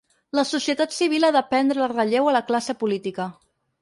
La societat civil ha de prendre el relleu a la classe política.